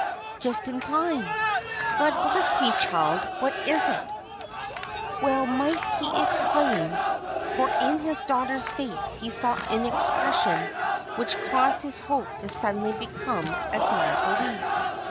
"Just in time. God bless me, child! what is it?" Well might he exclaim, for in his daughter's face he saw an expression which caused his hope to suddenly become a glad belief.